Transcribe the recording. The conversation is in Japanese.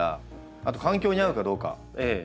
あと環境に合うかどうか。